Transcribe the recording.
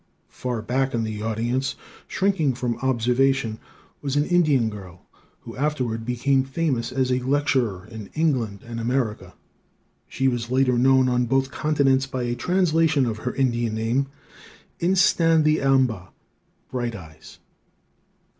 Far back in the audience, shrinking from observation, was an Indian girl, who afterward became famous as a lecturer in England and America. She was later known on both continents by a translation of her Indian name, In sta the am ba, Bright Eyes.